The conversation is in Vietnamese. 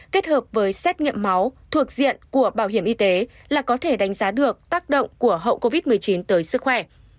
kết hợp với xét nghiệm máu thuộc diện của bảo hiểm y tế là có thể đánh giá được tác động của hậu covid một mươi chín tới sức khỏe